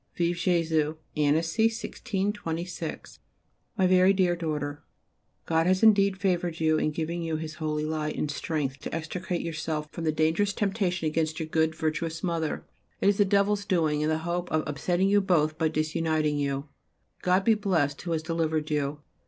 _ Vive [+] Jésus! ANNECY, 1626. MY VERY DEAR DAUGHTER, God has indeed favoured you in giving you His holy light and strength to extricate yourself from the dangerous temptation against your good, virtuous Mother. It is the devil's doing, in the hope of upsetting you both by disuniting you. God be blessed who has delivered you.